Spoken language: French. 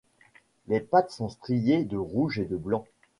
Les pattes sont striées de rouge et de blanc.